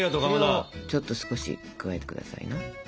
それをちょっと少し加えてくださいな。